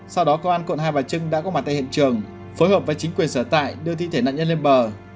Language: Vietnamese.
sau đó công an quận hai bà trưng đã có mặt tại hiện trường phối hợp với chính quyền sở tại đưa thi thể nạn nhân lên bờ